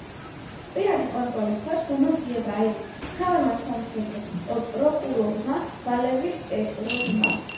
პირადი კონტროლის ქვეშ გამოძიება აიღო მთავარმა სამხედრო პროკურორმა ვალერი პეტროვმა.